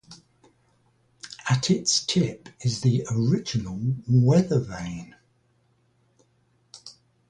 At its tip is the original weather vane.